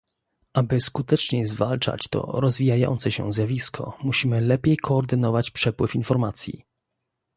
Aby skuteczniej zwalczać to rozwijające się zjawisko, musimy lepiej koordynować przepływ informacji